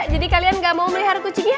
jadi kalian tidak mau melihara kucingnya